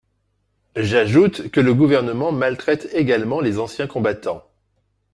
J’ajoute que le Gouvernement maltraite également les anciens combattants.